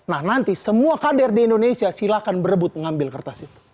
nah nanti semua kader di indonesia silahkan berebut mengambil kertas itu